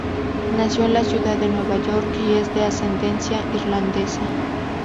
Nació en la ciudad de Nueva York y es de ascendencia irlandesa.